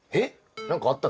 何かあったっけ？